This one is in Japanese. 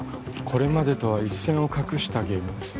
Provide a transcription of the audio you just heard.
これまでとは一線を画したゲームです